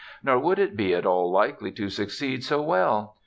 Nor would it be at all likely to succeed so well.